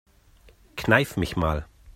Kneif mich mal.